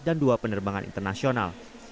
dan dua penerbangan internasional